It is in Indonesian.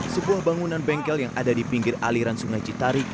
sebuah bangunan bengkel yang ada di pinggir aliran sungai citarik